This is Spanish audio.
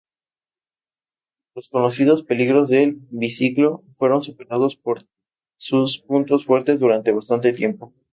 Los conocidos peligros del biciclo, fueron superados por sus puntos fuertes durante bastante tiempo.